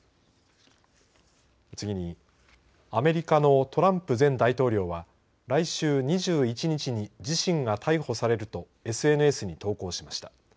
次に、アメリカのトランプ前大統領は来週２１日に自身が逮捕されるとＳＮＳに投稿しました。